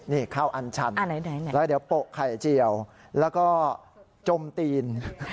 นี่ข้าวอันชันแล้วเดี๋ยวโปะไข่เจียวแล้วก็จมตีน